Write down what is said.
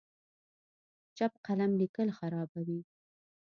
چپ قلم لیکل خرابوي.